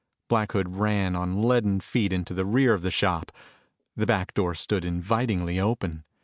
Black Hood ran on leaden feet into the rear of the shop. The back door stood invitingly open.